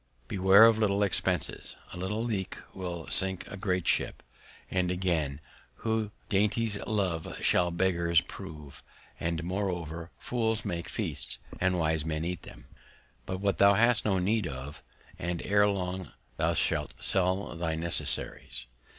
_ Beware of little expenses; A small Leak will sink a great Ship; and again, Who Dainties love, shall Beggars prove; and moreover, Fools make Feasts, and wise Men eat them. Buy what thou hast no Need of, and ere long thou shalt sell thy Necessaries.